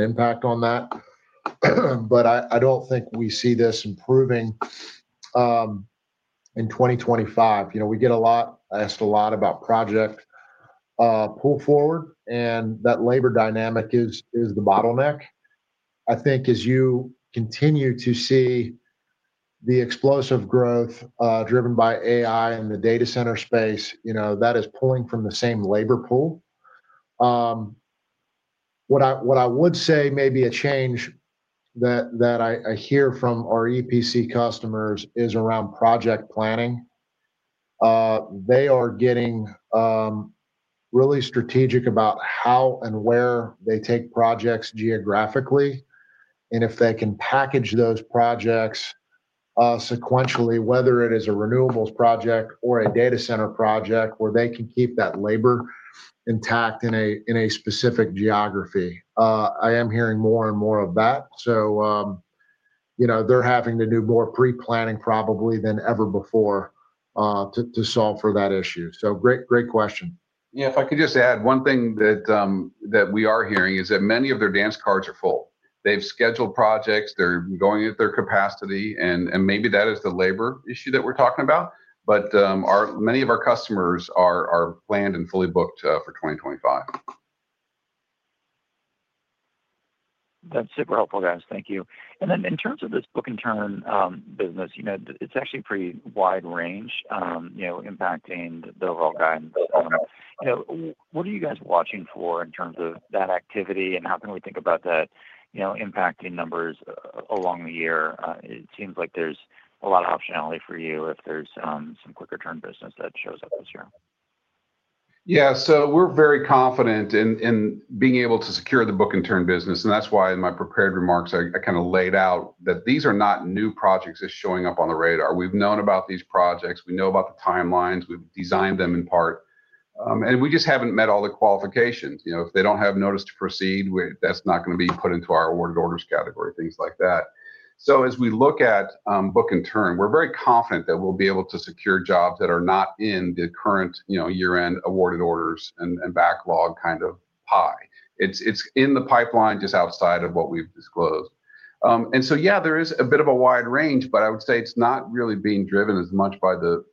impact on that, but I don't think we see this improving in 2025. We get asked a lot about project pull forward, and that labor dynamic is the bottleneck. I think as you continue to see the explosive growth driven by AI in the data center space, that is pulling from the same labor pool. What I would say may be a change that I hear from our EPC customers is around project planning. They are getting really strategic about how and where they take projects geographically, and if they can package those projects sequentially, whether it is a renewables project or a data center project, where they can keep that labor intact in a specific geography. I am hearing more and more of that. So they're having to do more pre-planning probably than ever before to solve for that issue. So great question. Yeah, if I could just add, one thing that we are hearing is that many of their dance cards are full. They've scheduled projects. They're going at their capacity, and maybe that is the labor issue that we're talking about, but many of our customers are planned and fully booked for 2025. That's super helpful, guys. Thank you. In terms of this book-and-turn business, it's actually a pretty wide range impacting the overall guidance. What are you guys watching for in terms of that activity, and how can we think about that impacting numbers along the year? It seems like there's a lot of optionality for you if there's some quicker-turn business that shows up this year. Yeah, so we're very confident in being able to secure the book-and-turn business, and that's why in my prepared remarks, I kind of laid out that these are not new projects just showing up on the radar. We've known about these projects. We know about the timelines. We've designed them in part, and we just haven't met all the qualifications. If they don't have notice to proceed, that's not going to be put into our awarded orders category, things like that. As we look at book-and-turn, we're very confident that we'll be able to secure jobs that are not in the current year-end awarded orders and backlog kind of pie. It's in the pipeline just outside of what we've disclosed. And so yeah, there is a bit of a wide range, but I would say it's not really being driven as much by the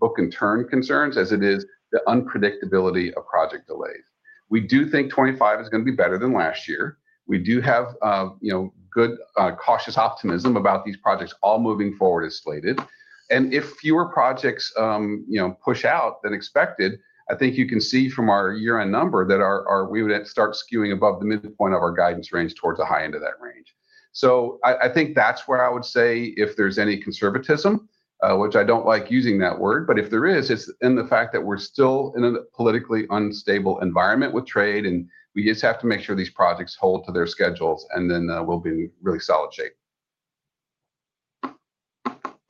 book-and-turn concerns as it is the unpredictability of project delays. We do think 2025 is going to be better than last year. We do have good, cautious optimism about these projects all moving forward as slated. And if fewer projects push out than expected, I think you can see from our year-end number that we would start skewing above the midpoint of our guidance range towards the high end of that range. So I think that's where I would say if there's any conservatism, which I don't like using that word, but if there is, it's in the fact that we're still in a politically unstable environment with trade, and we just have to make sure these projects hold to their schedules, and then we'll be in really solid shape.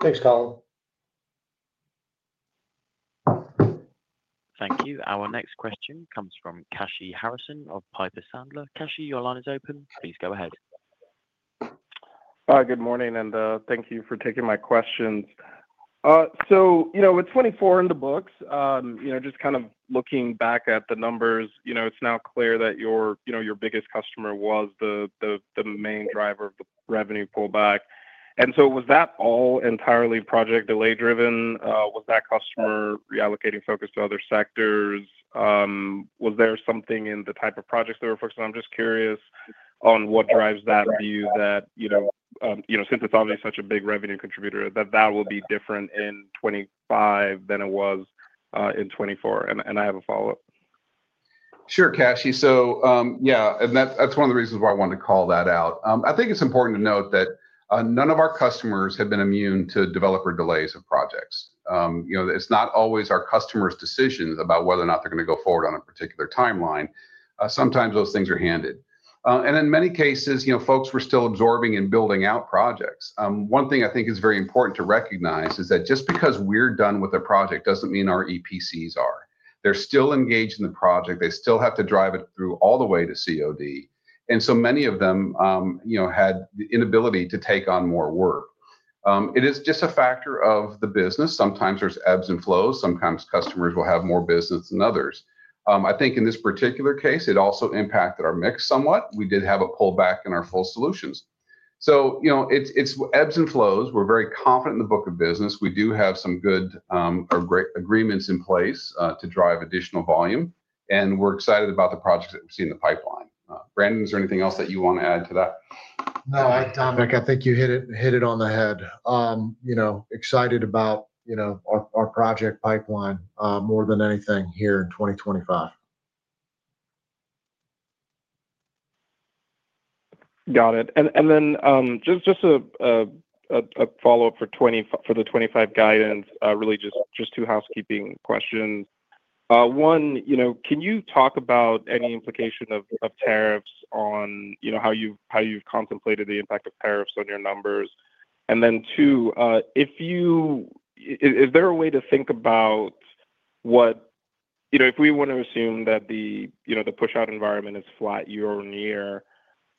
Thanks, Colin. Thank you. Our next question comes from Kashy Harrison of Piper Sandler. Kashy, your line is open. Please go ahead. Hi, good morning, and thank you for taking my questions. So with 2024 in the books, just kind of looking back at the numbers, it's now clear that your biggest customer was the main driver of the revenue pullback. And so was that all entirely project delay driven? Was that customer reallocating focus to other sectors? Was there something in the type of projects they were focusing on? I'm just curious on what drives that view that since it's obviously such a big revenue contributor, that that will be different in 2025 than it was in 2024. And I have a follow-up. Sure, Kashy. So yeah, and that's one of the reasons why I wanted to call that out. I think it's important to note that none of our customers have been immune to developer delays of projects. It's not always our customer's decision about whether or not they're going to go forward on a particular timeline. Sometimes those things are handed. And in many cases, folks were still absorbing and building out projects. One thing I think is very important to recognize is that just because we're done with a project doesn't mean our EPCs are. They're still engaged in the project. They still have to drive it through all the way to COD. And so many of them had the inability to take on more work. It is just a factor of the business. Sometimes there's ebbs and flows. Sometimes customers will have more business than others. I think in this particular case, it also impacted our mix somewhat. We did have a pullback in our full solutions. So it's ebbs and flows. We're very confident in the book of business. We do have some good or great agreements in place to drive additional volume, and we're excited about the projects that we've seen in the pipeline. Brandon, is there anything else that you want to add to that? No, Dominic, I think you hit it on the head. Excited about our project pipeline more than anything here in 2025. Got it. And then just a follow-up for the 2025 guidance, really just two housekeeping questions. One, can you talk about any implication of tariffs on how you've contemplated the impact of tariffs on your numbers? And then two, is there a way to think about what if we want to assume that the push-out environment is flat year-on-year,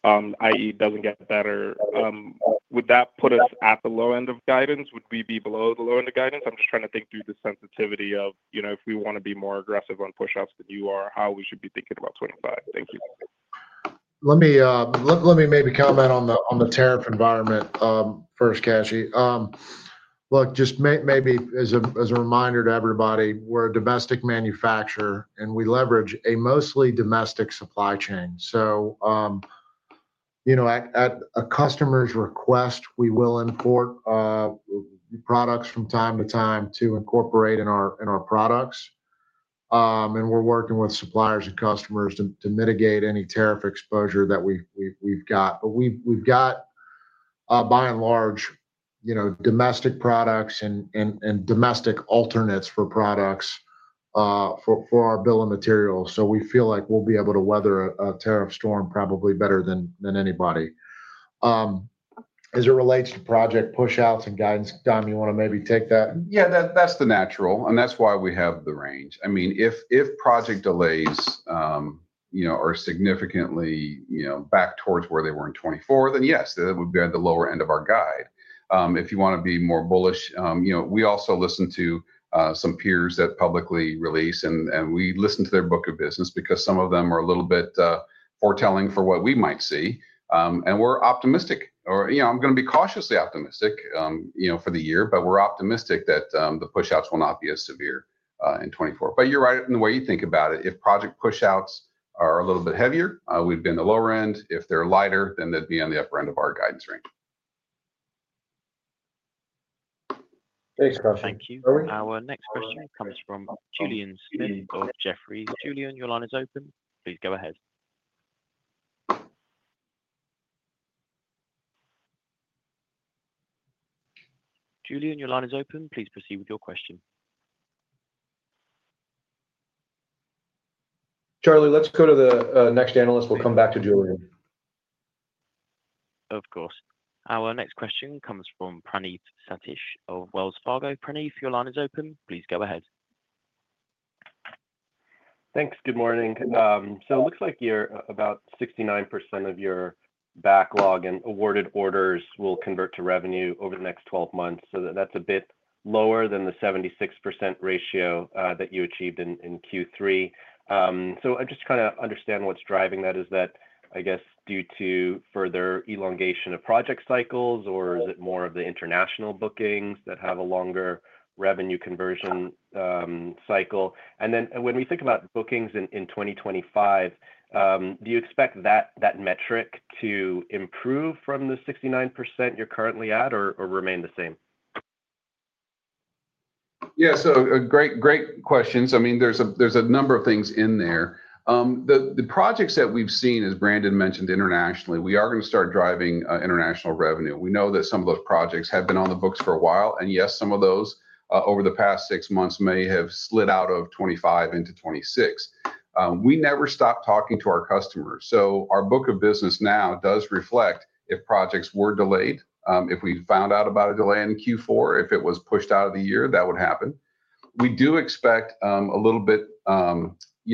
i.e., doesn't get better, would that put us at the low end of guidance? Would we be below the low end of guidance? I'm just trying to think through the sensitivity of if we want to be more aggressive on push-outs than you are, how we should be thinking about 2025. Thank you. Let me maybe comment on the tariff environment first, Kashy. Look, just maybe as a reminder to everybody, we're a domestic manufacturer, and we leverage a mostly domestic supply chain. So at a customer's request, we will import products from time to time to incorporate in our products. And we're working with suppliers and customers to mitigate any tariff exposure that we've got. But we've got, by and large, domestic products and domestic alternates for products for our bill of materials. So we feel like we'll be able to weather a tariff storm probably better than anybody. As it relates to project push-outs and guidance, Dom, you want to maybe take that? Yeah, that's the natural, and that's why we have the range. I mean, if project delays are significantly back towards where they were in 2024, then yes, that would be at the lower end of our guide. If you want to be more bullish, we also listen to some peers that publicly release, and we listen to their book of business because some of them are a little bit foretelling for what we might see. And we're optimistic. I'm going to be cautiously optimistic for the year, but we're optimistic that the push-outs will not be as severe in 2024, but you're right in the way you think about it. If project push-outs are a little bit heavier, we'd be in the lower end. If they're lighter, then they'd be on the upper end of our guidance range. Thanks, Kashy. Thank you. Our next question comes from Julien Smith of Jefferies. Julien, your line is open. Please go ahead. Julien, your line is open. Please proceed with your question. Charlie, let's go to the next analyst. We'll come back to Julien. Of course. Our next question comes from Praneeth Satish of Wells Fargo. Praneeth, your line is open. Please go ahead. Thanks. Good morning, so it looks like about 69% of your backlog and awarded orders will convert to revenue over the next 12 months. So that's a bit lower than the 76% ratio that you achieved in Q3. So I just kind of understand what's driving that. Is that, I guess, due to further elongation of project cycles, or is it more of the international bookings that have a longer revenue conversion cycle? And then when we think about bookings in 2025, do you expect that metric to improve from the 69% you're currently at or remain the same? Yeah, so great questions. I mean, there's a number of things in there. The projects that we've seen, as Brandon mentioned, internationally, we are going to start driving international revenue. We know that some of those projects have been on the books for a while, and yes, some of those over the past six months may have slid out of 2025 into 2026. We never stop talking to our customers. Our book of business now does reflect if projects were delayed. If we found out about a delay in Q4, if it was pushed out of the year, that would happen. We do expect a little bit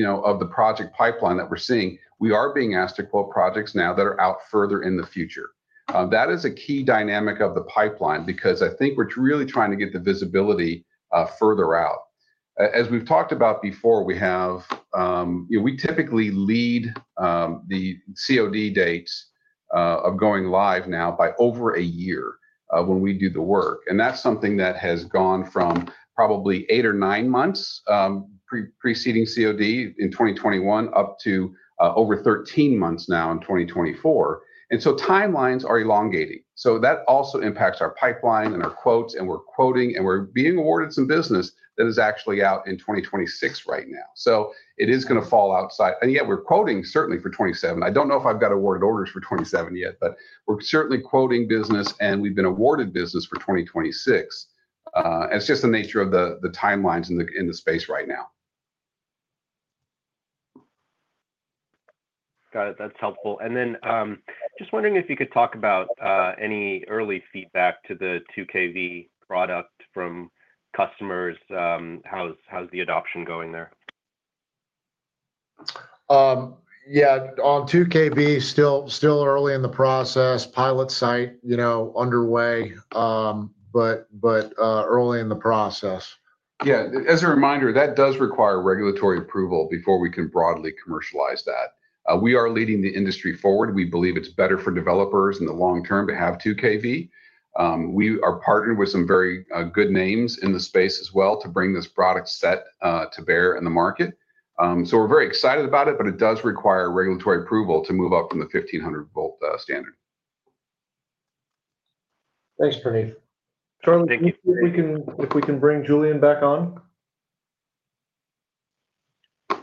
of the project pipeline that we're seeing. We are being asked to quote projects now that are out further in the future. That is a key dynamic of the pipeline because I think we're really trying to get the visibility further out. As we've talked about before, we typically lead the COD dates of going live now by over a year when we do the work. That's something that has gone from probably eight or nine months preceding COD in 2021 up to over 13 months now in 2024. Timelines are elongating. So that also impacts our pipeline and our quotes, and we're quoting, and we're being awarded some business that is actually out in 2026 right now. So it is going to fall outside. And yeah, we're quoting certainly for 2027. I don't know if I've got awarded orders for 2027 yet, but we're certainly quoting business, and we've been awarded business for 2026. It's just the nature of the timelines in the space right now. Got it. That's helpful. And then just wondering if you could talk about any early feedback to the 2kV product from customers. How's the adoption going there? Yeah, on 2kV, still early in the process. Pilot site underway, but early in the process. Yeah, as a reminder, that does require regulatory approval before we can broadly commercialize that. We are leading the industry forward. We believe it's better for developers in the long term to have 2kV. We are partnered with some very good names in the space as well to bring this product set to bear in the market. So we're very excited about it, but it does require regulatory approval to move up from the 1500-volt standard. Thanks, Praneeth. Charlie, if we can bring Julien back on.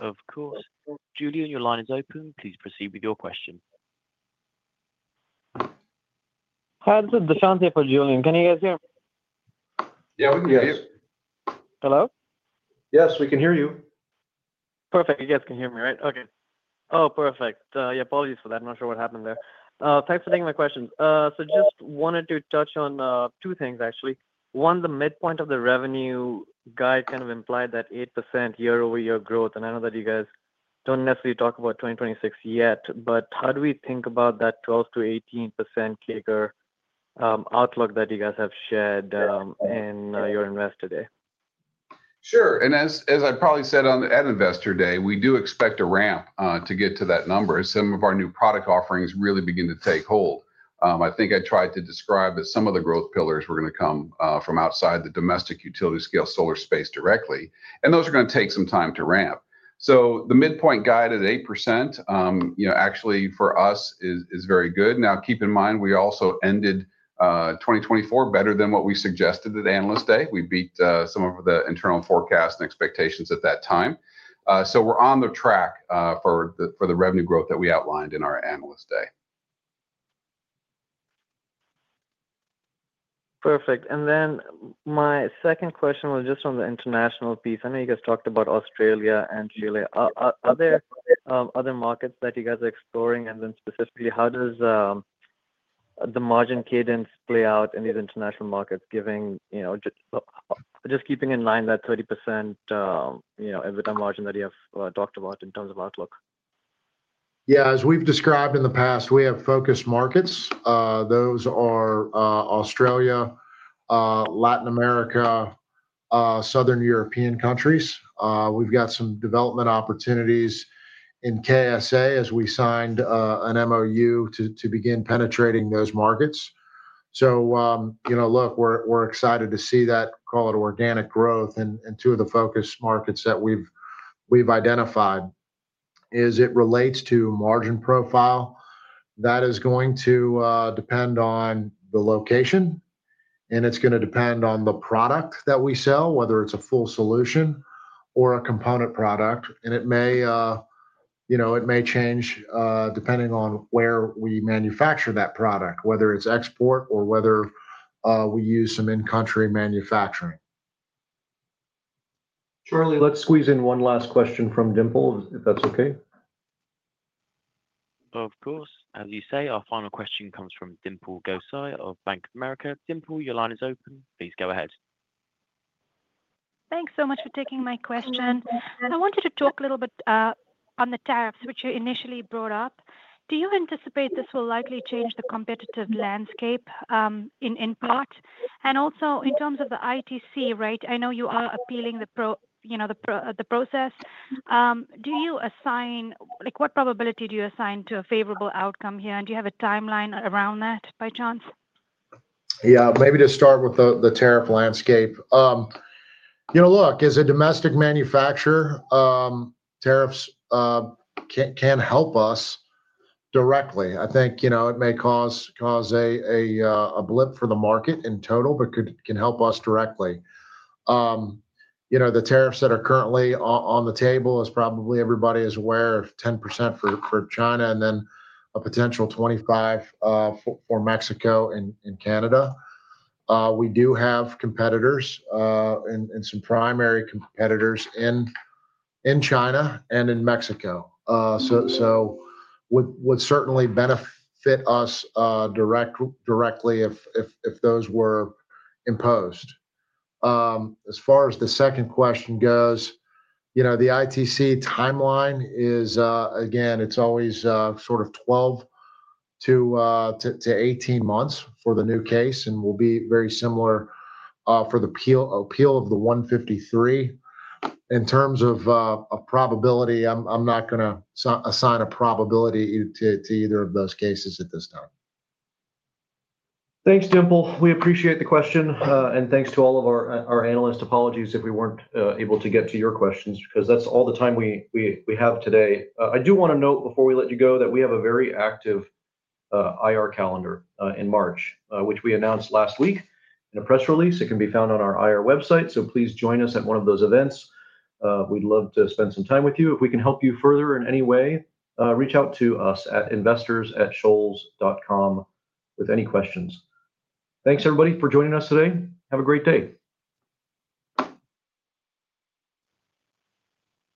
Of course. Julien, your line is open. Please proceed with your question. Hi, Steven DeSanctis for Julien. Can you guys hear me? Yeah, we can hear you. Hello? Yes, we can hear you. Perfect. You guys can hear me, right? Okay. Oh, perfect. Yeah, apologies for that. I'm not sure what happened there. Thanks for taking my questions. So just wanted to touch on two things, actually. One, the midpoint of the revenue guide kind of implied that 8% year-over-year growth, and I know that you guys don't necessarily talk about 2026 yet, but how do we think about that 12%-18% CAGR outlook that you guys have shared in your Investor Day? Sure. And as I probably said at the Investor Day, we do expect a ramp to get to that number as some of our new product offerings really begin to take hold. I think I tried to describe that some of the growth pillars were going to come from outside the domestic utility-scale solar space directly, and those are going to take some time to ramp. So the midpoint guide at 8% actually for us is very good. Now, keep in mind, we also ended 2024 better than what we suggested at Analyst Day. We beat some of the internal forecasts and expectations at that time. So we're on the track for the revenue growth that we outlined in our Analyst Day. Perfect. And then my second question was just on the international piece. I know you guys talked about Australia and Chile. Are there other markets that you guys are exploring? And then specifically, how does the margin cadence play out in these international markets, just keeping in mind that 30% EBITDA margin that you have talked about in terms of outlook? Yeah, as we've described in the past, we have focused markets. Those are Australia, Latin America, Southern European countries. We've got some development opportunities in KSA as we signed an MOU to begin penetrating those markets. So look, we're excited to see that, call it organic growth in two of the focus markets that we've identified. As it relates to margin profile, that is going to depend on the location, and it's going to depend on the product that we sell, whether it's a full solution or a component product. And it may change depending on where we manufacture that product, whether it's export or whether we use some in-country manufacturing. Charlie, let's squeeze in one last question from Dimple, if that's okay. Of course. As you say, our final question comes from Dimple Gosai of Bank of America. Dimple, your line is open. Please go ahead. Thanks so much for taking my question. I wanted to talk a little bit on the tariffs, which you initially brought up. Do you anticipate this will likely change the competitive landscape in part? And also in terms of the ITC rate, I know you are appealing the process. Do you assign what probability do you assign to a favorable outcome here? And do you have a timeline around that, by chance? Yeah, maybe to start with the tariff landscape. Look, as a domestic manufacturer, tariffs can't help us directly. I think it may cause a blip for the market in total, but can help us directly. The tariffs that are currently on the table, as probably everybody is aware, of 10% for China and then a potential 25% for Mexico and Canada. We do have competitors and some primary competitors in China and in Mexico. So it would certainly benefit us directly if those were imposed. As far as the second question goes, the ITC timeline is, again, it's always sort of 12-18 months for the new case, and will be very similar for the appeal of the 153. In terms of probability, I'm not going to assign a probability to either of those cases at this time. Thanks, Dimple. We appreciate the question, and thanks to all of our analysts. Apologies if we weren't able to get to your questions because that's all the time we have today. I do want to note before we let you go that we have a very active IR calendar in March, which we announced last week in a press release. It can be found on our IR website, so please join us at one of those events. We'd love to spend some time with you. If we can help you further in any way, reach out to us at investors@shoals.com with any questions. Thanks, everybody, for joining us today. Have a great day.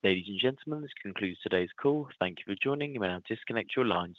Ladies and gentlemen, this concludes today's call. Thank you for joining. You may now disconnect your lines.